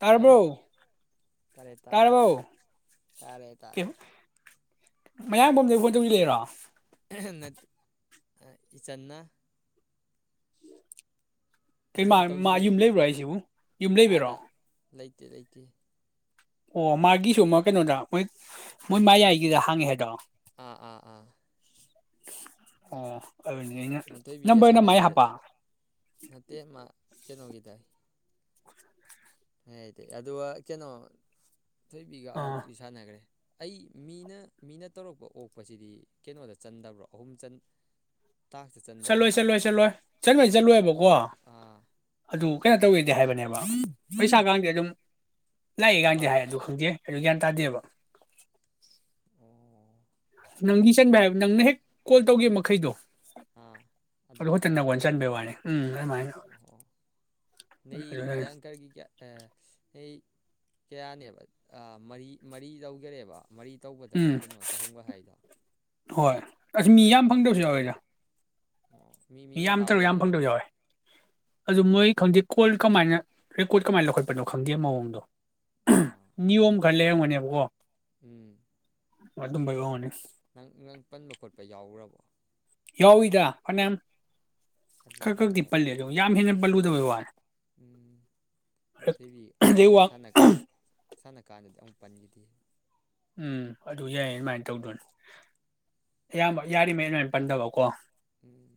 ꯇꯥꯔꯕꯣ ꯍꯜꯂꯣ ꯇꯥꯔꯦ ꯇꯥꯔꯦ ꯇꯥꯔꯕꯣ ꯇꯥꯔꯦ ꯇꯥꯔꯦ ꯃꯌꯥꯝꯕ ꯑꯃꯗꯤ ꯑꯩꯈꫭꯏ ꯇꯨꯡ ꯏꯜꯂꯤꯔꫭ ꯅꯠꯇꯦ ꯏꯆꯟꯅ ꯀꯩ ꯃꯥ ꯏꯆꯟ ꯃꯥ ꯌꯨꯝ ꯇꯧꯁꯤꯜꯂꯛꯑꯦ ꯂꯩꯕꯔꯥ ꯍꯥꯏꯁꯤꯕꯨ ꯌꯨꯝ ꯂꯩꯕꯩꯔꯣ ꯑꯥꯗ ꯂꯩꯇꯦ ꯃꯒꯤꯁꯨ ꯑꯃ ꯀꯩꯅꯣꯗ ꯃꯣꯏ ꯃꯌꯥꯏꯒꯤꯗ ꯍꯥꯡꯉꯦ ꯍꯥꯏꯗꯣ ꯑꯥ ꯑꯥ ꯑꯥ ꯑꫭ ꯑꯗꯨꯅꯤ ꯑꯩꯟ ꯃꯊꯣꯏꯕꯤꯒ ꯅꯝꯕꯔꯅ ꯃꯥꯏ ꯁꯥꯟꯅꯅꯤ ꯍꯥꯞꯄ ꯀꯩꯅꯣꯒꯤꯗꯩꯩ ꯍꯥꯏꯗꯤ ꯑꯗꯨꯒ ꯀꯩꯅꯣ ꯊꯣꯏꯕꯤꯒ ꯑꯥ ꯑꯃꯨꯛꯇꯤ ꯁꯥꯟꯅꯈ꯭ꯔꯦ ꯑꯩ ꯃꯤꯅ ꯃꯤꯅ ꯇꯧꯔꯛꯄ ꯑꯣꯛꯄꯁꯤꯗꯤ ꯀꯩꯅꯣꯗ ꯆꯟꯗꯕ꯭ꯔꯣ ꯑꯍꯨꯝ ꯆꯟ ꯆꯠꯂꯣꯏ ꯆꯠꯂꯣꯏ ꯆꯠꯂꯣꯏ ꯆꯠꯂꯣꯏ ꯆꯠꯂꯣꯏꯕꯀꯣ ꯑꯥ ꯑꯗꯨ ꯀꯩꯅꯣ ꯇꯧꯋꯤꯗꯤ ꯍꯥꯏꯕꯅꯦꯕ ꯄꯩꯁꯥꯒꯗꯤ ꯑꯗꯨꯝ ꯅ ꯀꯥꯟꯗꯤ ꯄꯥꯞ ꯍꯥꯏ ꯑꯗꯨ ꯈꯪꯗꯦ ꯑꯗꯨ ꯒ꯭ꯌꯥꯟ ꯇꯥꯗꯦꯕ ꯑꯣ ꯅꯪꯗꯤ ꯆꯟꯕ ꯍꯥꯏꯕ ꯅꯪꯅ ꯍꯦꯛ ꯀꯣꯜ ꯇꯧꯒꯤ ꯃꯈꯩꯗꯣ ꯑꯥ ꯑꯗꯨ ꯈꯛꯇ ꯅꯉꫭꯟꯗ ꯆꯟꯕꯩ ꯋꯥꯅꯤ ꯎꯝ ꯑꯗꯨꯃꯥꯏꯅ ꯅꯩ ꯑꯗꯨꯅꯅꯦ ꯗꯦꯡꯀꯔꯒꯤ ꯀꯌꯥ ꯑꯩ ꯀꯌꯥꯅꯦꯕ ꯃꯔꯤ ꯃꯔꯤ ꯂꯧꯈꯔꯦꯕ ꯃꯔꯤ ꯇꯧꯕꯗꯔꯣ ꯎꯝ ꯀꯩꯅꯣ ꯆꯍꯨꯝꯒ ꯍꯥꯏꯔꯤꯗꯣ ꯍꯣꯏ ꯑꯁ ꯃꯤ ꯌꯥꯝ ꯐꯪꯗꯕꯁꯨ ꯌꯥꯎꯋꯦꯖꯥ ꯑꯣ ꯃꯤ ꯃꯤ ꯌꯥꯝ ꯃꯈꯥ ꯇꯔꯨꯛ ꯌꯥꯝ ꯄꯣꯜꯂꯤꯔꯕ ꯐꯪꯗꯕꯁꯨ ꯌꯥꯎꯋꯦ ꯑꯗꯨ ꯃꯣꯏ ꯈꯪꯗꯦ ꯀꯣꯜ ꯀꯃꯥꯏꯅ ꯔꯦꯀꯣꯔꯠ ꯀꯃꯥꯏꯅ ꯂꯧꯈꯠꯄꯅꯣ ꯈꯪꯗꯦ ꯃꯑꯣꯡꯗꯣ ꯑꯥ ꯅꯤꯌꯣꯝ ꯈꯔ ꯂꯩꯔꯝꯒꯅꯦꯕꯀꯣ ꯎꯝ ꯑꯗꯨꯕꯩ ꯑꯣꯏꯔꯝꯒꯅꯤ ꯅꯪ ꯅꯪ ꯄꯟꯕ ꯈꯣꯠꯄ ꯌꯥꯎꯔꯕꯣ ꯌꯥꯎꯏꯗ ꯐꯩꯅꯥꯝ ꯑꯗꯨꯅ ꯈꯛ ꯈꯛꯗꯤ ꯑꯣꯏꯔꯝꯒꯅꯤ ꯄꯜꯂꯤ ꯑꯗꯣ ꯌꯥꯝ ꯍꯦꯅ ꯄꯟꯂꯨꯗꯕꯩ ꯋꯥꯅꯤ ꯎꯝ ꯊꫭꯏꯕꯤ ꯑꯗꯩ ꯈꯔ ꯋꯥ ꯁꯟꯅ ꯁꯥꯟꯅꯀꯥꯟꯗꯗꯤ ꯑꯃꯨꯛ ꯄꯟꯈꯤꯗꯦ ꯎꯝ ꯑꯗꯨ ꯌꯥꯏ ꯑꯗꯨꯃꯥꯏꯅ ꯇꯧꯗꯣꯏꯅꯤ ꯑꯌꯥꯝꯕ ꯌꯥꯔꯤꯉꯩ ꯑꯗꯨꯃꯥꯏꯅ ꯄꯟꯗꯕꯀꯣ ꯎꯝ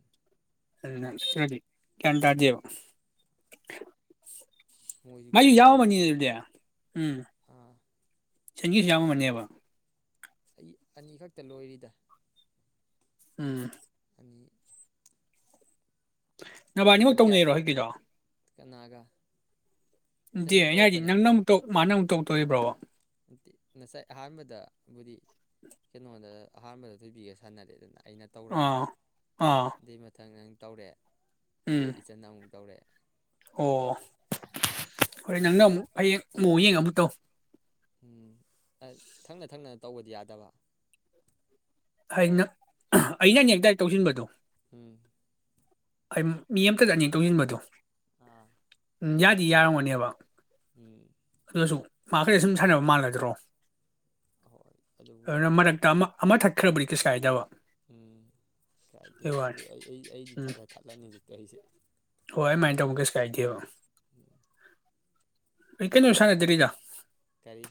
ꯑꯗꯨ ꯅꯠꯇꯔꯥꯗꯤ ꯒꯌ꯭ꯥꯟ ꯇꯥꯗꯦꯕ ꯃꯣꯏꯁꯨ ꯃꯁꯨ ꯀꯩꯅꯣ ꯇꯧ ꯌꯥꯝꯃꯥꯝꯅꯤ ꯑꯗꯨꯗꯤ ꯎꯝ ꯑꯥ ꯆꯪꯒꯤꯁꯨ ꯌꯥꯝꯃꯝꯃꯅꯦꯕ ꯑꯩ ꯑꯅꯤꯈꯛꯇ ꯂꯣꯏꯔꯤꯗ ꯎꯝ ꯑꯅꯤ ꯅꯕꯥꯅꯤꯃꯛ ꯇꯧꯅꯩꯔꯣ ꯍꯧꯖꯤꯛꯀꯤꯗꯣ ꯀꯅꯥꯒꯥ ꯅꯠꯇꯦꯗꯤ ꯑꯩꯅ ꯍꯥꯌꯗꯤ ꯅꯪꯅ ꯑꯃꯨꯛ ꯇꯧꯔꯛ ꯃꯥꯅ ꯑꯃꯨꯛ ꯇꯧ ꯇꯧꯔꯤꯕ꯭ꯔꯣꯕ ꯅꯠꯇꯦ ꯉꯁꯥꯏ ꯑꯍꯥꯟꯕꯗꯕꯨꯗꯤ ꯀꯩꯅꯣꯗ ꯑꯍꯥꯟꯕꯗ ꯊꫭꯏꯕꯤꯒ ꯁꯥꯟꯅꯔꯦꯗꯅ ꯑꯩꯅ ꯇꯧꯔꯒ ꯑꯥ ꯑꯥ ꯑꯗꯩ ꯃꯥꯊꯪ ꯅꯪ ꯇꯧꯔꯦ ꯑꯗꯩ ꯏꯆꯟꯗ ꯑꯃꯨꯛ ꯇꯧꯔꯦ ꯑꫭ [inaudible] ꯍꫭꯏ ꯅꯪꯅꯥ ꯑꯩꯅ ꯑꯃꯨꯛ ꯑꯩ ꯃꯌꯣꯡ ꯌꯦꯡꯎ ꯑꯗꫭ ꯑꯝ ꯑ ꯊꯪꯅꯔ ꯊꯪꯅꯔ ꯇꯧꯕꯗꯤ ꯌꯥꯗꯥꯕ ꯑꯩꯅ [unintelligible] ꯑꯩꯅꯅꯦ ꯗꯥꯏꯔꯦꯛ ꯇꯧꯁꯟ ꯕꯗꯨ [unintelligible] ꯑꯩ ꯃꯤ ꯑꯃꯠꯇꯗ ꯑꯅꯤ ꯇꯧꯁꯟꯕ ꯗꯨ ꯑꯥ ꯎꯝ ꯌꯥꯗꯤ ꯌꯥꯔꯝ ꯒꯥꯅꯦꯕ ꯎꯝ ꯑꯗꫭ ꯁꯨꯝ [unintelligible] ꯁꯨꯝ ꯁꯥꯟꯅꯕ ꯃꯥꯜꯂꯗ꯭ꯔꫭ ꯍꯣꯏ ꯑꯗꯨꯕꯨꯗꯤ ꯑꯗꯨꯗ ꯃꯔꯥꯛꯇ ꯑꯃꯥ ꯑꯃꯥ ꯊꯛꯈ꯭ꯔ ꯕꯨꯗꯤ ꯀꯩꯁꯨ ꯀꯥꯏꯗꯕꯥ ꯎꯝ ꯀꯥꯏꯗꯦ ꯑꯗꫭ ꯑꯩ ꯑꯩ ꯑꯩꯗꯤ ꯊꯥꯒꯠ ꯊꯠꯂꯅꯤ ꯌꯥꯎꯖꯤꯛ ꯇꯩ ꯑꯩꯁꯦ ꯍꫭꯏ ꯑꯗꯨꯃꯥꯏ ꯇꯧꯕ ꯀꯩꯁꯨ ꯀꯥꯏꯗꯦꯕ [unintelligible] ꯑꯩ ꯀꯩꯅꫭ [unintelligible] ꯁꯅꯗꯔ꯭ꯤꯗ ꯀꯔꯤ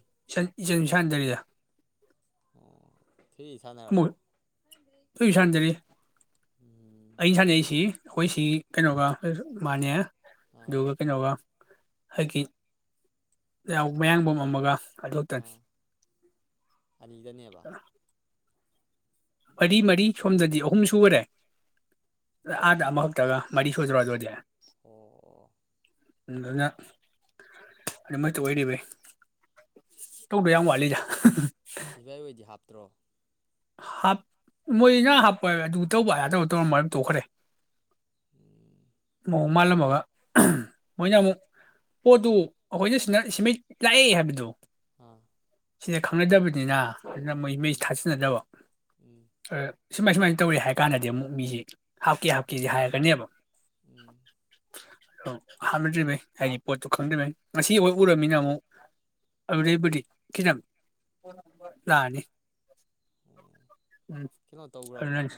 ꯖꯤꯝ ꯁꯥꯟꯅ ꯗ꯭ꯔꯤꯌꯦ ꯑꫭ ꯖꯤꯝ ꯁꯥꯟꯅꯔꯥꯕꫭ ꯐ꯭ꯔꯤ ꯁꯟꯅꯗ꯭ꯔꯤ ꯎꯝ ꯑꯩꯅ ꯁꯥꯟꯅꯩꯁꯤ ꯑꯩꯈꫭꯏ ꯁꯤ ꯀꯩꯅꫭꯒ ꯃꯥꯅꯦ ꯑꯥ ꯑꯗꯨꯒ ꯀꯩꯅꫭꯒ ꯍꯥꯏꯒꯤ [unintelligible] ꯃꯥꯌꯥꯡꯕꯝ ꯑꯃꯥꯒꯥ ꯑꯥ ꯑꯅꯤꯗꯅꯦꯕ [unintelligible] ꯃꯔꯤ ꯃꯔꯤ ꯁꯣꯝꯗꯗꯤ ꯑꯍꯨꯝ ꯁꯨꯒꯔꯦ ꯑꯗꯥ ꯑꯃꯈꯛꯇꯪꯒ ꯃꯔꯤ ꯁꯨꯔꯗꯔꯣ ꯑꯗꯨꯑꯣꯏꯗꯤ ꯎꯝ [unintelligible] [unintelligible] ꯇꯔꯣ ꯍꯥꯞ ꯃꯣꯏꯅꯥ ꯍꯞꯄꯣ ꯑꯗꯨ ꯇꯧꯕꯥ ꯑꯗꯥꯥ ꯇꯧꯕꯥ ꯇꯧꯔꯝꯃꯒꯥ ꯇꯣꯈꯔꯦ ꯎꯝ ꯑꯣꯡ ꯃꯥꯜꯂꯝꯃꯥꯒ ꯃꯣꯏꯅ ꯑꯃꯨꯛ ꯄꯣꯠꯇꯨ ꯑꯩꯈꯣꯏꯗ ꯁꯦꯃꯥꯏ ꯂꯥꯛꯏ ꯍꯥꯏꯕꯗꯨ ꯎꯝ ꯁꯤꯗ ꯈꯪꯅꯗꯕꯅꯤꯅ ꯍꯟꯗꯛ ꯃꯩ ꯃꯩ ꯎꯝ ꯊꯖꯟꯅꯗꯕ ꯎꯝ ꯁꯨꯃꯥꯏ ꯁꯨꯃꯥꯏ ꯇꯧꯔꯦ ꯍꯥꯏꯀꯟꯗꯥꯗꯤ ꯑꯃꯨꯛ ꯃꯤꯁꯦ ꯍꯥꯞꯀꯦ ꯍꯥꯞꯀꯦꯗꯤ ꯍꯥꯏꯔꯀꯅꯤꯕꯥ [inaudible] ꯎꯝ ꯐꯅꯗꯔ꯭ꯤꯃꯩ ꯍꯥꯏꯗꯤ ꯄꯣꯠꯇꯨ ꯈꯪꯗꯔ꯭ꯤꯃꯩ ꯉꯁꯤ ꯎꯔꯝꯅꯤꯅꯥ ꯑꯃꯨꯛ ꯑꯗꯨꯕꯨꯗꯤ ꯈꯤꯇꯪ ꯂꯥꯛꯑꯅꯤ ꯎꯝ ꯀꯩꯅꫭ ꯇꯧꯒꯔꯕꯣ ꯑꯗꯨꯅꯅꯤ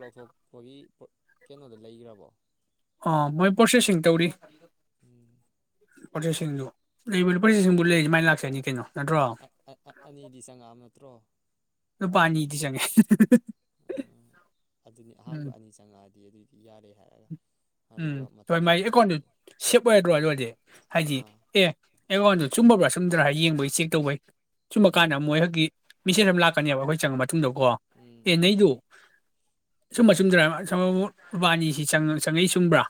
ꯂꯧꯊꯣꯛꯞꯒꯤ ꯀꯩꯅꯣꯗꯣ ꯂꯩꯒꯔꯕꯣ ꯃꯣꯏ ꯄꯔꯣꯁꯦꯁꯤꯡ ꯇꯧꯔꯤ ꯎꯝ ꯄꯔꯣꯁꯦꯁꯤꯡ ꯂꯩꯕꯅꯤ ꯄꯔꯣꯁꯦꯁꯤꯡꯕꯨ ꯂꯩꯔꯗꯤ ꯃꯥꯏꯂꯛꯆꯥꯅꯤ ꯀꯩꯅꯣ ꯅꯠꯇꯔꯣ ꯑꯅꯤꯗꯤ ꯆꯪꯉꯛꯑꯕ ꯅꯠꯇ꯭ꯔꯣ ꯅꯨꯄꯥꯅꯤꯗꯤ ꯆꯪꯏ [unintelligible] ꯑꯗꯨꯅꯤ ꯑꯍꯥꯟꯕ ꯑꯅꯤ ꯆꯪꯉꯛ ꯌꯥꯔꯦ ꯍꯥꯏꯔꯛꯗꯧꯅꯤ ꯎꯟ ꯍꯣꯏ ꯃꯥꯏ ꯑꯀꯥꯎꯟꯇꯨ ꯁꯦꯞ ꯑꯣꯏꯔꯗꯔꯣ ꯑꯗꯨ ꯍꯥꯏꯗꯤ ꯑꯥ ꯑꯦ ꯑꯀꯥꯎꯟꯇꯨ ꯆꯨꯝꯃꯥꯕꯔꯥ ꯆꯨꯝꯗꯔ ꯌꯦꯕꯩ ꯆꯦꯛꯇꯧꯕꯩ ꯆꯨꯝꯃ ꯎꯝ ꯀꯥꯟꯗ ꯃꫭꯏ ꯍꯧꯀꯤ ꯃꯤꯁꯦꯖ ꯑꯃꯥ ꯂꯥꯛꯀꯅꯤꯕ ꯈꫭꯏ ꯆꯪꯕꯧ ꯇꯨꯡꯗ ꯀꫭ ꯎꯝ ꯑꯥ ꯅꯪꯏꯗꯨ ꯆꯨꯝꯕꯔꯥ ꯆꯨꯝꯗꯔ ꯑꯃꯨꯛ ꯃꯨꯛ ꯏꯕꯥꯟꯅꯤ ꯁꯤ ꯆꯪ ꯆꯨꯝꯕꯔꯥ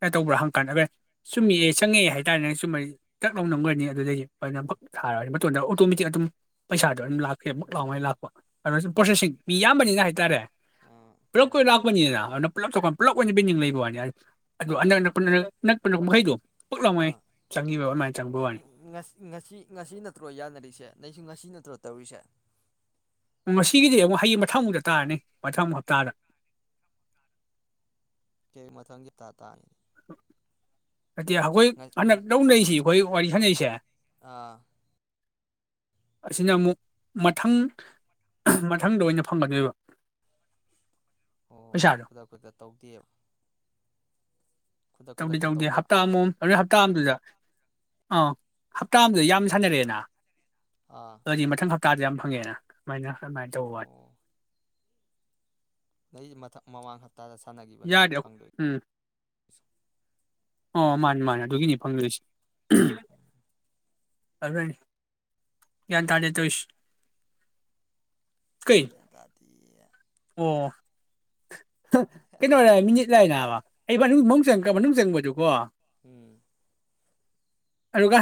ꯀꯩꯅꯣ ꯇꯧꯕꯔꯥ ꯍꯪꯑꯀꯟꯗ ꯆꯨꯝꯃꯤ ꯆꯪꯏ ꯍꯥꯏꯇꯥꯔꯗꯤ ꯆꯨꯝꯃꯗꯤ ꯇꯥꯛꯂꯥꯎꯅꯥ ꯅꯝꯒꯔꯅꯤ ꯑꯗꯨꯗꯩꯩ ꯎꯝ ꯄꯛ ꯊꯔꯛꯅꯤ ꯁꯨꯇꯣꯃꯇꯤꯛ ꯑꯗꯨꯝ ꯄꯩꯁꯥ ꯑꯗꯨꯅ ꯑꯥ ꯄꯔꯣꯁꯦꯁꯤꯡ ꯃꯤ ꯌꯝꯕꯅꯤꯅꯥ ꯍꯥꯏꯇꯔꯦ ꯑꯥ ꯄꯨꯂꯞꯀꯤ ꯈꯣꯏ ꯑꯣꯏꯅꯥ ꯂꯛꯄꯅꯤꯅꯥ [unintelligible] ꯄꯨꯂꯞ ꯑꯣꯏꯅꯥ ꯄꯦꯟꯗꯤꯡ ꯋꯥꯅꯤ ꯑꯁꯤꯗ ꯑꯗꯨ ꯑꯅꯥꯛ ꯑꯅꯛꯄꯥꯃꯩꯗꯤ ꯉꯁꯤ ꯉꯁꯤ ꯅꯥꯠꯇꯔꯣ ꯌꯥꯅꯔꯤꯁꯦ ꯅꯒꯤꯁꯨ ꯉꯁꯤ ꯅꯠꯇꯔꯣ ꯇꯧꯔꯤꯁꯦ꯫ ꯃꯊꯪꯃꯨꯛꯇ ꯇꯥꯔꯥꯅꯤ ꯃꯊꯪ ꯍꯞꯇꯗ [unintelligible] [unintelligible] ꯋꯥꯔꯤ ꯈꯟꯅꯩꯁꯦ ꯑ ꯑꯁꯤꯅꯃꯨꯛ ꯃꯊꯪ ꯃꯊꯪꯗ ꯑꯣꯏꯅ ꯐꯪꯒꯗꯣꯏꯕ ꯑꯣ ꯄꯩꯁꯥꯗꯣ ꯈꯨꯗꯛ ꯈꯨꯗꯛ ꯇꯧꯗꯦꯕ ꯈꯨꯗꯛ ꯇꯧꯗꯦ ꯈꯨꯗꯛꯇ ꯇꯧꯗꯦ ꯇꯧꯗ ꯍꯞꯇꯥꯃꯨꯛ ꯗꯩ ꯍꯞꯇꯥꯝꯗꯨꯗ ꯑ ꯍꯞꯇꯥꯝꯗ ꯌꯥꯝ ꯁꯥꯅꯔꯦꯅ ꯑꯥ ꯀꯔꯤ ꯃꯊꯪ ꯍꯞ ꯇꯥꯗ ꯌꯥꯝ ꯐꯪꯉꯦꯅ ꯑꯗꯨꯨꯃꯥꯏꯅ ꯑꯗꯨꯃꯥꯏꯅ ꯇꯧꯕ ꯑꯩꯗꯤ ꯃꯊꯛ ꯃꯃꯥꯡ ꯍꯞꯇꯥꯗ ꯁꯥꯟꯅꯈꯤꯕꯅꯦꯕ ꯌꯥꯔꯗꯤ ꯐꯪꯗꯣꯏ [inaudible] ꯎꯝ ꯑꯣ ꯃꯥꯅꯤ ꯃꯥꯅꯦ ꯑꯗꯨꯒꯤꯅꯤ ꯐꯪꯒꯗꯣꯏꯁꯦ ꯑꯗꯨꯅꯤ ꯀ꯭ꯌꯥꯟ ꯇꯥꯗꯦ ꯇꯧꯏꯁꯦ ꯀꯩ ꯒ꯭ꯌꯥꯟ ꯇꯥꯗꯦ ꯑꯣ ꯀꯩꯅꯣ ꯃꯤꯅꯤꯠ ꯂꯥꯛꯑꯦ ꯅꯕ ꯑꯩ ꯃꯅꯨꯡ ꯃꯅꯨꯡ ꯃꯅꯨꯡ ꯆꯪꯕꯗꯀꯣ ꯎꯝ ꯑꯗꯨꯒ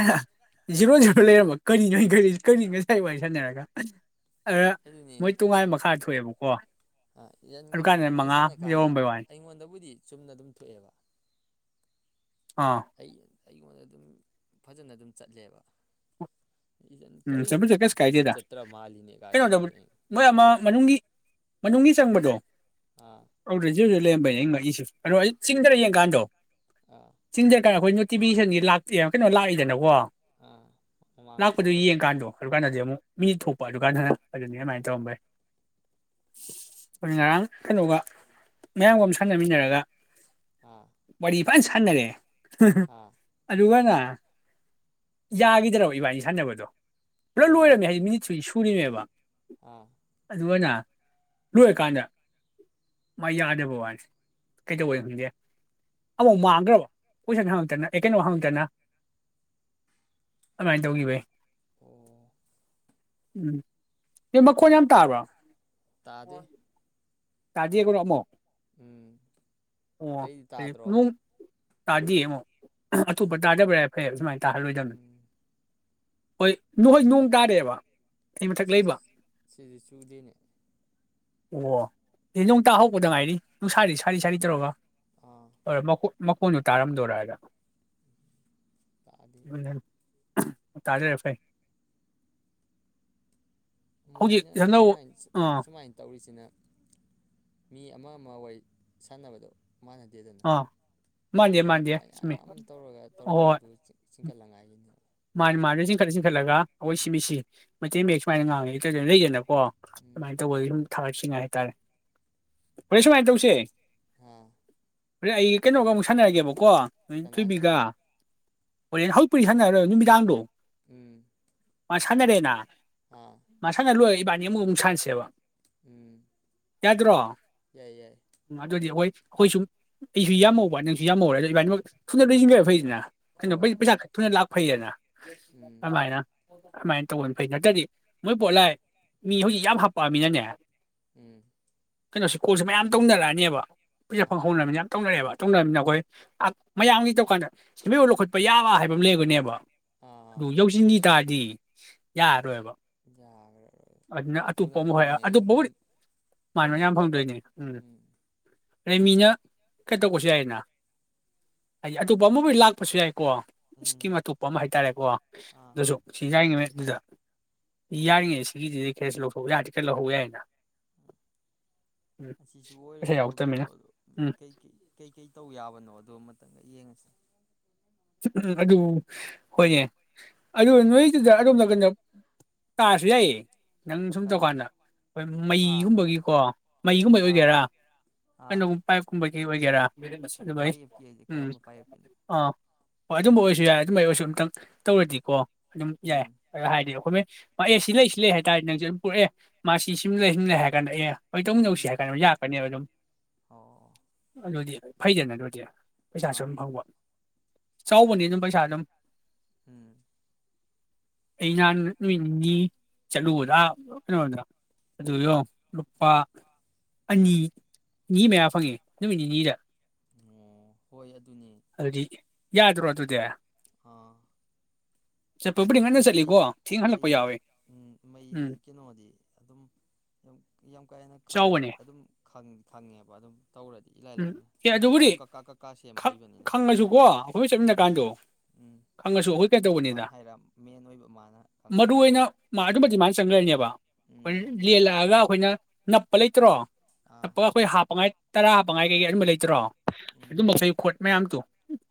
ꯖꯤꯔꯣ ꯖꯤꯔꯣ ꯂꯩꯔꯝꯕ ꯀꯔꯤꯅꯣ ꯑꯩ ꯈꯜꯂꯤꯖꯦ ꯀꯔꯤ ꯉꯁꯥꯏ ꯋꯥꯔꯤ ꯁꯥꯟꯅꯔꯒ ꯑꯗꯨꯗ ꯃꯣꯏ ꯇꯣꯉꯥꯟ ꯃꯈꯥ ꯊꯣꯛꯑꯦꯕꯀꯣ ꯑ ꯌꯦꯟꯒ ꯑꯗꯨꯀꯥꯟꯗ ꯌꯦꯟꯒ ꯃꯉꯥ ꯁꯥꯟꯅ ꯀꯥꯟꯗ ꯌꯧꯔꯝꯕꯩ ꯋꯥꯅꯤ ꯑꯩꯉꯣꯟꯗꯕꯨꯗꯤ ꯆꯨꯝꯅ ꯑꯗꯨꯝ ꯊꯣꯛꯑꯦꯕ ꯑꯥ ꯑꯩ ꯑꯩꯉꯣꯟꯗ ꯑꯗꯨꯝ ꯐꯖꯅ ꯑꯗꯨꯝ ꯆꯠꯂꯦꯕ ꯏꯔꯟ ꯎꯝ ꯀꯔꯤ ꯆꯄꯖꯨ ꯀꯩꯁꯨ ꯁꯨꯡꯆꯠ ꯀꯥꯏꯗꯦꯗ ꯆꯠꯇ꯭ꯔ ꯃꯥꯜꯂꯤꯅꯦ ꯀꯥꯏ ꯀꯩꯅꯣ ꯇꯧꯕ ꯇꯧꯔꯦ ꯃꯣꯏ ꯑꯃ ꯃꯅꯨꯡꯒꯤ ꯃꯅꯨꯡꯒꯤ ꯆꯪꯕꯗꯣ ꯑꯥ ꯑꯗꯨꯗꯣ [unintelligible] ꯂꯩꯔꯝꯕꯩꯅꯦ ꯑꯩ ꯉꯛꯏꯁꯦ ꯀꯩꯅꯣ ꯑꯩ ꯆꯤꯡꯙꯔ ꯌꯦꯡꯀꯥꯟꯗꯣ ꯑꯥ ꯆꯤꯡꯙꯔ ꯀꯥꯟ ꯑꯈꯣꯏ ꯅꯣꯏ ꯇꯤꯚꯤꯁꯟꯁꯤ ꯂꯥꯛꯇꯦ ꯀꯩꯅꯣ ꯂꯥꯛꯏꯗꯅꯀꯣ ꯑ ꯃꯃꯥꯡꯊꯣꯛ ꯌꯦꯡ ꯀꯥꯟꯗꯣ ꯑꯗꯨ ꯀꯥꯟꯗꯗꯤ ꯑꯃꯨꯛ ꯃꯤ ꯊꯣꯛꯄ ꯑꯗꯨꯀꯥꯟꯗꯅ ꯑꯗꯨꯅꯤ ꯎꯝ ꯑꯗꯨꯃꯥꯏꯅ ꯇꯧꯔꯝꯕꯩ ꯑꯗꯨ ꯉꯔꯥꯡ ꯀꯩꯅꯣꯒ ꯃꯌꯥꯝꯕ ꯑꯃ ꯁꯥꯟꯅꯃꯤꯟꯅꯔꯒ ꯑꯥ ꯋꯥꯔꯤ ꯐꯖ ꯁꯥꯟꯅꯔꯦ ꯍꯨꯝ ꯍꯨꯝ ꯑꯥ ꯑꯗꯨꯒꯅꯦ ꯌꯥꯒꯤꯗ꯭ꯔꯕ ꯏꯕꯅꯤ ꯁꯥꯟꯅꯕꯗꯨꯅ ꯗꯣ ꯄꯨꯂꯞ ꯀꯩ ꯂꯣꯏꯔꯝꯃꯤ ꯍꯥꯏꯗꯤ ꯃꯤꯅꯤꯠ ꯁꯨ ꯁꯨꯔꯤꯅꯦꯕ ꯑꯥ [inaudible] ꯑꯗꯨꯅ ꯂꯣꯏꯔꯀꯥꯟꯗ ꯃꯥ ꯌꯥꯗꯕ ꯋꯥꯅꯤꯁꯦ ꯀꯩꯗꯧꯕꯅꯣ ꯈꯪꯗꯦ ꯑꯃꯨꯛ ꯃꯥꯡꯈ꯭ꯔꯕ ꯀꯣꯏꯁꯟ ꯍꯪꯉꯛꯇꯅ ꯑꯦ ꯀꯩꯅꯣ ꯍꯪꯉꯛꯇꯅ ꯑꯗꯨꯃꯥꯏꯅ ꯇꯧꯈꯤꯕꯩ ꯑꯣ ꯎꯝ ꯑꯦ ꯃꯈꯣꯟ ꯌꯥꯝ ꯇꯥꯕ꯭ꯔꯣ ꯇꯥꯗꯦ ꯇꯥꯗꯦꯕꯀꯣ ꯑꯝꯕꯨꯛ ꯎꯝ ꯑꯣ ꯑꯩꯗꯤ ꯍ ꯇꯥꯗ꯭ꯔꯣ ꯅꯨꯡ ꯇꯥꯗꯤꯌꯦ ꯑꯇꯣꯞꯄ ꯇꯥꯗꯕꯅ ꯐꯩ ꯁꯨꯃꯥꯏꯅ ꯇꯥꯍꯟ ꯂꯣꯏꯗꯕꯅꯦ ꯎꯝ ꯍꯣꯏ ꯅꯣꯏ ꯅꯣꯡ ꯇꯥꯗꯦꯕ ꯑꯩ ꯃꯊꯛ ꯁꯤ ꯂꯩꯕ ꯁꯤꯗꯤ ꯆꯨꯗꯦꯅꯦ ꯑꯣ ꯅꯣꯡ ꯇꯥ ꯍꯧꯔꯛꯄꯗ ꯉꯥꯏꯔꯤ ꯅꯨꯡꯁꯤ ꯁꯥꯔꯤ ꯁꯥꯔꯤ ꯇꯧꯔꯒ ꯑꯥ ꯑꯔ ꯃꯀꯨ ꯣꯟꯗꯨ ꯇꯥꯔꯝ ꯗꯧꯔꯒ [inaudible] ꯇꯥꯗꯦ [inaudible] ꯇꯥꯗꯦ ꯐꯩ ꯍꯧꯖꯤꯛ ꯃꯣꯏꯅ ꯑꯅꯧ ꯑꯥ ꯁꯨꯃꯥꯏ ꯇꯧꯔꯤꯁꯤꯅ ꯃꯤ ꯑꯃ ꯑꯃ ꯋꯥꯔꯤ ꯁꯅꯕꯗꯣ ꯃꯅꯗꯦꯗꯅ ꯑꯥ ꯃꯥꯟꯗꯦ ꯑꯗꯨꯗꯒꯤ ꯃꯥꯟꯗꯦ ꯆꯨꯝꯃꯤ ꯃꯌꯥꯝ ꯇꯧꯔꯒ ꯇꯧꯔꯒ ꯑꯗꯨ ꯆꯤꯡꯈꯠ ꯂꯉꯥꯏꯒꯤꯅꯦꯕ ꯃꯅꯦ ꯃꯅꯦ ꯆꯤꯡꯈꯠ ꯆꯤꯡꯈꯠꯂꯒ ꯑꯑꯣꯏ ꯁꯤꯕꯤꯁꯦ ꯃꯩꯇꯩ ꯃꯌꯦꯛ ꯁꯨꯃꯥꯏ ꯉꯥꯡꯉꯤꯁꯦ ꯀꯩ ꯀꯩꯅꯣ ꯂꯩꯗꯅꯀꯣ ꯑꯣ ꯎꯝ ꯑꯗꯨꯃꯥꯏ ꯇꯧꯕꯒꯤ ꯁꯨ ꯊꯕ ꯁꯤꯉꯥꯏ ꯍꯥꯏ ꯇꯔꯦ [inaudible] ꯁꯨꯃꯥꯏ ꯇꯧꯁꯦ ꯑ ꯍꯧꯔꯦꯟ ꯑꯩ ꯀꯩꯅꯣꯒ ꯑꯃꯨꯛ ꯁꯅꯔꯒꯦꯕ ꯀꯣ ꯀꯅꯥꯒ ꯊꯣꯏꯕꯤꯒ ꯍꯧꯔꯦꯟ [inaudible] ꯁꯅꯔꯔꯣꯏꯕ ꯅꯨꯃꯤ ꯗꯥꯡꯗꯣ ꯑꯝ ꯃꯥ ꯁꯥꯅꯔꯦꯅ ꯃꯥ ꯁꯥꯅ ꯂꯣꯏꯔꯒ ꯏꯕ ꯅꯤ ꯑꯃꯨꯛ ꯁꯥꯅꯁꯦꯕ ꯑꯝ ꯌꯥꯗ꯭ꯔꯣ ꯑꯗꯨꯗꯤ ꯑꯣ ꯍꯣꯏꯁꯨꯝ ꯑꯩꯁꯨ ꯌꯥꯝꯃꯧꯕ ꯅꯪꯁꯨ ꯌꯥꯝꯃꯧꯔꯦ ꯑꯗꯨ ꯏꯕꯤꯅꯤꯃꯛ ꯍꯣꯏ ꯃꯤ [unintelligible] [unintelligible] ꯊꯨꯅ ꯂꯥꯛ ꯐꯩꯑꯅ ꯎꯝ ꯑꯃꯥꯏꯅ ꯑꯃꯥꯏ ꯇꯧꯔꯗꯤ ꯐꯩ ꯅꯠꯇꯗꯤ ꯃꯣꯏ ꯄꯣꯠꯂꯥꯏ ꯃꯤ ꯍꯧꯖꯤꯛ ꯌꯥꯝ ꯍꯥꯞ ꯄꯥꯝꯃꯤꯔꯅꯦ ꯎꯝ ꯀꯩꯅꯣꯁꯦ ꯀꯣꯜꯁꯦ ꯃꯌꯥꯝ ꯇꯧꯅꯔꯑꯅꯤꯕ ꯄꯩꯖ ꯑꯥ ꯄꯪ ꯍꯧꯔꯝꯅꯤ ꯌꯥꯝ ꯇꯧꯅꯔꯛꯑꯦꯕ ꯇꯧꯅꯝꯅꯤꯅ ꯑꯈꯣꯏ ꯑ ꯃꯌꯥꯝꯒꯤ ꯇꯧꯀꯥꯟꯗ [unintelligible] ꯂꯧꯈꯠꯄ ꯌꯥꯕ ꯍꯥꯏꯕ ꯂꯩꯕꯅꯦꯕ ꯑꯥ ꯗꯨ ꯌꯧꯁꯤꯟꯒꯤ ꯇꯥꯗꯤ ꯌꯥꯔꯣꯏꯕ [unintelligible] ꯊꯨꯅ ꯇꯧꯔꯤꯉꯩ ꯃꯥ ꯃꯌꯥꯝ ꯐꯪꯗꯣꯏꯅꯦ ꯎꯝ ꯂꯩꯃꯤꯅ ꯈꯇꯧꯕꯁꯨ ꯌꯥꯏꯌꯦꯅ ꯑꯩ ꯑꯇꯣꯞꯄ [unintelligible] ꯂꯥꯛꯄꯁꯨ ꯀꯣ ꯎꯝ ꯁ꯭ꯀꯤꯝ ꯑꯇꯣꯞꯄ ꯃ ꯍꯥꯏꯇꯥꯔꯦ ꯀꯣ ꯑꯥ ꯗꯨꯁꯨ [unintelligible] [unintelligible] ꯌꯥꯔꯤꯉꯩ [unintelligible] ꯀꯦꯁ ꯂꯧꯊꯣꯛ ꯌꯥꯎꯗꯕ ꯈ ꯂꯧꯍꯧ ꯌꯥꯏꯅ ꯎꯝ ꯑꯁꯤꯁꯨ ꯑꯣꯕꯦꯏ ꯄꯩꯁꯥ ꯑꯗꯣ ꯌꯥꯎꯔꯛꯇꯃꯤꯅ ꯀꯩꯅꯣꯗꯣ ꯎꯝ ꯀꯩꯀꯩ ꯀꯩꯀꯩ ꯇꯧ ꯌꯥꯕꯅꯣ ꯗꯣ ꯃꯇꯪꯒ ꯌꯦꯡꯉꯁꯤ [unintelligible] ꯑꯗꯨ ꯍꯣꯏꯅꯦ ꯑꯗꯨ ꯅꯣꯏꯗꯨꯗ ꯑꯗꯣꯝ ꯅꯥꯟꯕ [unintelligible] ꯌꯥꯏꯌꯦ ꯅꯪ ꯁꯨꯝ ꯀꯔꯤ ꯇꯧꯀꯥꯟꯗ ꯍꯣꯏ ꯍꯥ ꯃꯩꯒꯨꯝꯕꯒꯤ ꯀꯣ ꯃꯩ ꯒꯨꯝꯕꯩ ꯑꯥ ꯑꯣꯏꯒꯦꯔ ꯑꯥ [unintelligible] ꯄꯥꯏꯞ ꯀꯨꯝꯕꯩ ꯑꯣꯏꯒꯦꯔ [unintelligible] ꯃꯁꯤꯡꯗ ꯂꯣꯏꯌꯦ ꯄꯥꯏꯌꯦꯞꯀꯤ ꯍꯥꯏꯁꯦ ꯎꯝ ꯀꯔꯝꯕ ꯄꯥꯏꯌꯦꯞꯀꯤꯅꯣ ꯑꯥ ꯍꯣ ꯑꯗꯨꯝꯕꯩ ꯑꯣꯏꯁꯨ ꯌꯥꯏ ꯑꯗꯨꯝꯕꯩ ꯑꯣꯏꯁꯨ ꯑꯃꯇꯪꯅ ꯇꯧꯔꯗꯤꯀꯣ ꯑꯗꯨꯝ ꯌꯥꯏ ꯎꯝ [unintelligible] [unintelligible] ꯑꯣꯏ ꯇꯧꯂꯤꯟꯅꯧꯁꯤ ꯎꯝ ꯍꯥꯏꯀꯥꯟꯗ ꯌꯥꯔꯛꯀꯅꯤꯕ ꯗꯨꯝ ꯑꯣ ꯐꯩꯗꯅ ꯑꯗꯣꯏꯗꯤ ꯄꯩꯁꯥꯁꯨ ꯑꯥ ꯑꯗꯨꯝ ꯐꯪꯕ ꯆꯥꯎꯕꯅꯦ ꯗꯨꯝ ꯄꯩꯁꯥ ꯗꯨꯝ [inaudible] ꯑꯩ ꯍꯥꯟ ꯅꯨꯃꯤꯠ ꯅꯤꯅꯤ ꯆꯠꯂꯨꯕꯗ [unintelligible] ꯑꯗꯨꯗꯣ ꯂꯨꯄꯥ ꯑꯅꯤ ꯒꯤ ꯃꯌꯥ ꯐꯪꯉꯦ ꯅꯨꯃꯤꯠ ꯅꯤꯅꯤꯗ꯫ [inaudible] [unintelligible] ꯌꯥꯗ꯭ꯔꯣ ꯑꯗꯨꯗꯤ [inaudible] ꯆꯠꯄꯕꯨꯗꯤ ꯗꯤ ꯉꯟꯅ ꯃꯩ ꯆꯠꯂꯤꯀꯣ ꯊꯦꯡ ꯍꯜꯂꯛꯄ ꯃꯦꯖꯤ ꯌꯥꯎꯋꯤ ꯎꯝ ꯎꯝ ꯃꯦꯖꯁ ꯀꯩꯅꯣꯗꯤ ꯑꯗꯨꯝ ꯗꯨꯝ [unintelligible] ꯏꯂꯥꯏ ꯑꯝ ꯂꯥꯏꯅ ꯑꯦ ꯍꯣꯏ ꯑꯗꯨꯕꯨꯗꯤ ꯀꯀꯥ ꯀꯀꯥ ꯁꯦꯝ ꯈ ꯍꯩꯕꯅꯤꯅꯀꯣ ꯈꯪꯉꯁꯨꯀꯣ ꯑꯈꯣꯏ ꯆꯠꯃꯤꯟꯅ ꯎꯝ ꯀꯥꯟꯗꯣ ꯎꯝ ꯈꯪꯉꯁꯨ ꯑꯈꯣꯏ ꯀꯩꯅꯣ ꯇꯧꯕꯅꯤꯗ ꯃꯥꯅ ꯍꯥꯏꯔ ꯃꯦꯟ ꯑꯣꯏꯕ ꯃꯥꯅ ꯃꯗꯨ ꯈꯪꯉꯒ ꯑꯩꯅ ꯑꯗꯨꯒ [unintelligible] ꯑꯩꯅꯦꯕ ꯎꯟ ꯎꯝ ꯂꯦꯟꯂꯒ ꯈꯣꯏꯅ ꯅꯞꯄ ꯂꯩꯇ꯭ꯔꯣ ꯑꯥ [unintelligible] ꯈꯣꯏ ꯍꯥꯞꯄꯉꯥꯏ ꯇꯔꯥ ꯄꯉꯥꯏ ꯀꯩꯀꯩ ꯑꯗꯨꯝꯕ ꯂꯩꯇ꯭ꯔꯣ ꯎꯝ ꯑꯗꯨꯝꯕꯩ ꯈꯣꯠ ꯃꯌꯥꯝꯗꯨꯣ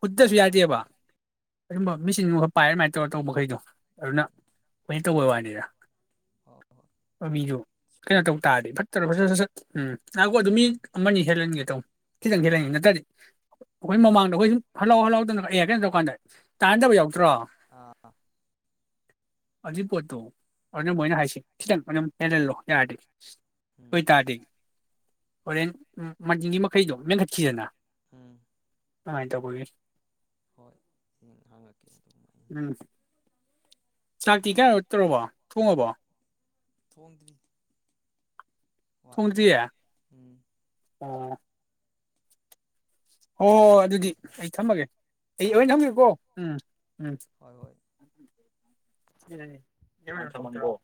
ꯈꯨꯗꯁꯨ ꯑꯥ ꯌꯥꯇꯦꯕ ꯑꯗꯨꯨꯝꯕ ꯃꯤꯁꯤꯡꯗꯨꯈꯛ ꯄꯥꯏ ꯑꯗꯨꯃꯥꯏꯅ ꯇꯧꯔ ꯇꯧꯕ ꯃꯈꯩꯗꯣ ꯑꯗꯨꯅ ꯑꯩꯈꯣꯏ ꯇꯧꯕꯩ ꯋꯥꯅꯤꯗ ꯍꯣꯏ ꯍꯣꯏ ꯕꯕꯤꯗꯨ ꯀꯩꯅꯣ ꯁꯨꯔꯦ ꯇꯧ ꯇꯥꯔꯦ ꯐꯠ [inaudible] ꯎꯝ ꯉꯥꯏꯈꫭ ꯑꯗꯨ ꯃꯤ ꯎꯝ ꯑꯃꯅꯤ ꯍꯦꯜꯍꯟꯒꯦ ꯇꯧ ꯈꯤꯇꯪ ꯈꯤꯇꯪ ꯑꯥ ꯅꯠꯇꯔꯗꯤ ꯑꯩꯈꯣꯏ ꯃꯃꯥꯡꯗꯈꯣꯏ ꯁꯨꯝ ꯍꯜꯂꯥꯎ ꯍꯜꯂꯥꯎꯗꯅ ꯑꯦꯇꯔꯦꯟ ꯇꯧ ꯀꯥꯟꯗ ꯇꯥꯟꯅꯗꯕ ꯌꯥꯎ ꯑꯥ ꯑꯗꯨꯏ ꯄꯣꯠꯇꯣ ꯑꯗꯨꯅ ꯎꯝ ꯃꯣꯏꯅ ꯍꯥꯏꯁꯤ ꯈꯤꯇꯪ ꯑꯗꯨꯝ ꯍꯦꯜꯍꯜꯂꯣ ꯌꯥꯔꯗꯤ ꯎꯝ ꯑꯗꫭꯏ ꯇꯥꯗꯤ ꯍꯣꯔꯦꯟ ꯎꯝ ꯃꯖꯤꯅꯤ ꯃꯈꯩꯩꯅꯣ ꯃꯦꯟꯈꯠ ꯈꯤꯗꯅ ꯎꯝ ꯑꯗꯨ ꯃꯥꯏ ꯇꯕꯧꯒꯤ ꯍꯣꯏ ꯍꯪ ꯍꯪꯉꯛꯀꯦ ꯑꯗꯨꯝ ꯑꯩ ꯎꯝ ꯆꯥꯛꯇꯤ ꯀꯩꯅꯣ ꯇꯧꯔꯕꯣ ꯊꯣꯡꯉꯕꯣ ꯊꯣꯡꯗ꯭ꯔꯤ꯫ ꯋꯥꯠꯂꯤꯗ ꯊꯣꯡꯗ꯭ꯔꯤꯌꯦ ꯎꯝ꯫ ꯑꯣ꯫ ꯍꯣ ꯍꯣ ꯍꯣꯏ ꯑꯗꯨꯗꯤ ꯑꯩ ꯊꯝꯃꯒꯦ꯫ ꯑꯩ [unintelligible] ꯑꯥ ꯊꯝꯒꯦꯀꯣ ꯎꯝ ꯎꯝ꯫ ꯍꯣꯏ ꯍꯣꯏ [unintelligible] ꯎꯝ ꯊꯝꯍꯟꯒꯣ꯫